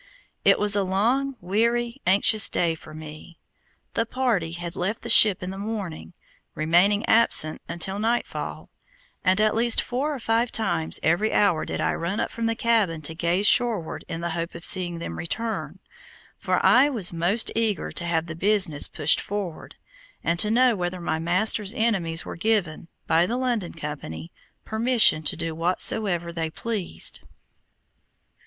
It was a long, weary, anxious day for me. The party had left the ship in the morning, remaining absent until nightfall, and at least four or five times every hour did I run up from the cabin to gaze shoreward in the hope of seeing them return, for I was most eager to have the business pushed forward, and to know whether my master's enemies were given, by the London Company, permission to do whatsoever they pleased.